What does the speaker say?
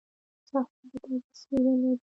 سهار د تازه سیوری لري.